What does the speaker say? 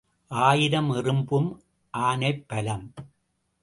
ஆயிரம் எறும்பும் ஆனைப்பலம்.